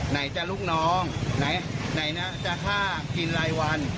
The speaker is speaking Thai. ไหนจะลูกน้องไหนนะจะฆ่ากินรายวัน